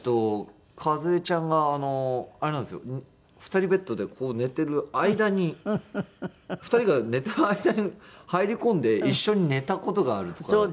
２人ベッドでこう寝てる間に２人が寝てる間に入り込んで一緒に寝た事があるとかって。